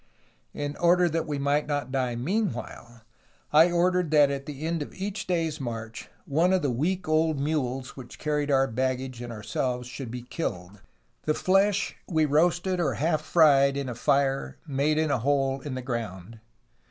In order that we might not die meanwhile, I ordered that at the end of each day's march, one of the weak old mules which carried our baggage and ourselves, should be killed. The flesh we roasted or half fried in a fire made in a hole in the ground.